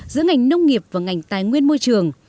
giữa ngành nông nghiệp và ngành tài nguyên môi trường